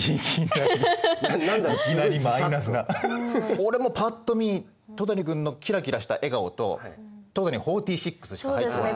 俺もぱっと見戸谷君のキラキラした笑顔と「戸谷４６」しか入ってこない。